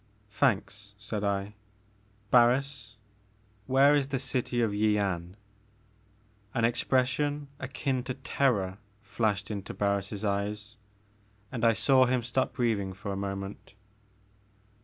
"Thanks," said I, "Barris, where is the city ofYian?" An expression akin to terror flashed into Bar ris' eyes and I saw him stop breathing for a moment.